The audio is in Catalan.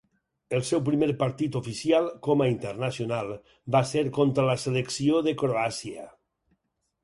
El seu primer partit oficial com a internacional va ser contra la selecció de Croàcia.